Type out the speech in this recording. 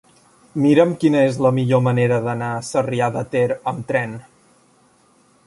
Mira'm quina és la millor manera d'anar a Sarrià de Ter amb tren.